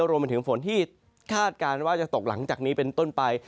รวมไปถึงฝนที่คาดการณ์ว่าจะตกหลังจากนี้เป็นต้นไป